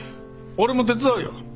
俺も手伝うよ。